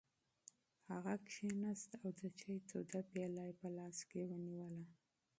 هغه کېناست او د چای توده پیاله یې په لاس کې ونیوله.